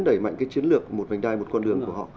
đẩy mạnh cái chiến lược một vành đai một con đường của họ